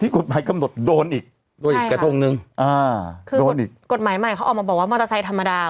กฎหมายใหม่เขาออกมาบอกว่ามอเตอร์ไซค์ธรรมดา